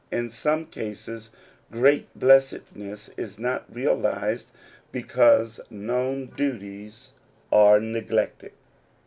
In some cases, great blessedness is not realized because known duties are neglected.